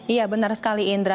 iya benar sekali indra